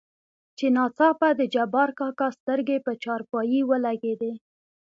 چې ناڅاپه دجبارکاکا سترګې په چارپايي ولګېدې.